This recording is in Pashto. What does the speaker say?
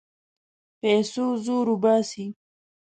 پیسو زور وباسي.